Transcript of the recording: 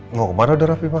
ngomong apaan ada raffi pak